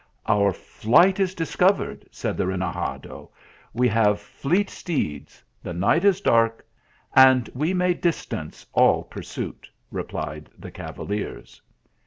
"Our flight is discovered," said the renegado. " We have fleet steeds, the night is dark, and we may distance all pursuit," replied the cavaliers.